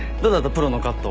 プロのカット。